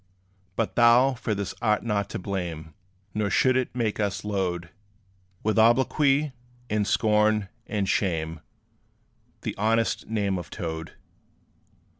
But thou for this art not to blame; Nor should it make us load With obloquy, and scorn, and shame The honest name of TOAD.